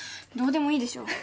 どうでもいいでしょ。